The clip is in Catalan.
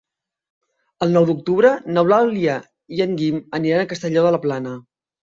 El nou d'octubre n'Eulàlia i en Guim aniran a Castelló de la Plana.